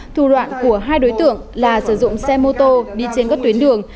thủ đoạn của hai đối tượng là sử dụng xe mô tô đi trên các tuyến đường